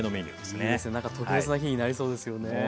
特別な日になりそうですよね。